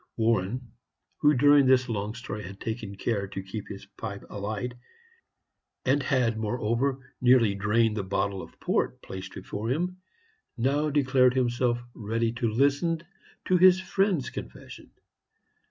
Warren, who during this long story had taken care to keep his pipe alight, and had, moreover, nearly drained the bottle of port placed before him, now declared himself ready to listen to his friend's confession.